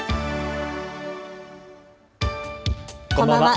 こんばんは。